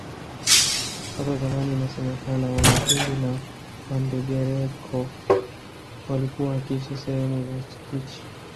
Hapo zamani inasemekana wamatumbi na wandengereko walikuwa wakiishi sehemu za Kichi